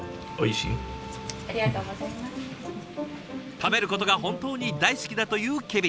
食べることが本当に大好きだというケビンさん。